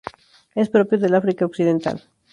Es propio del África occidental.